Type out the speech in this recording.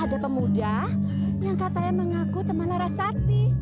ada pemuda yang katanya mengaku teman narasati